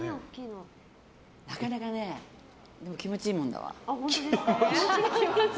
なかなか気持ちいいものだわ。